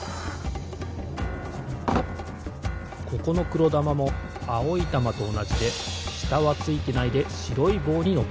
ここのくろだまもあおいたまとおなじでしたはついてないでしろいぼうにのってるんです。